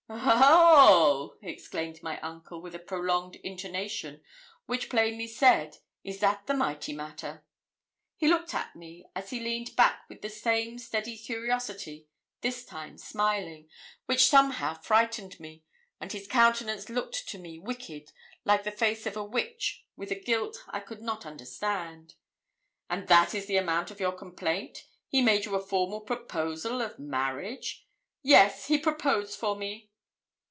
'O o oh!' exclaimed my uncle, with a prolonged intonation which plainly said, Is that the mighty matter? He looked at me as he leaned back with the same steady curiosity, this time smiling, which somehow frightened me, and his countenance looked to me wicked, like the face of a witch, with a guilt I could not understand. 'And that is the amount of your complaint. He made you a formal proposal of marriage!' 'Yes; he proposed for me.'